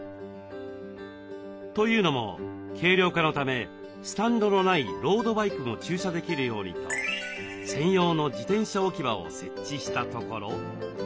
というのも軽量化のためスタンドのないロードバイクも駐車できるようにと専用の自転車置き場を設置したところ。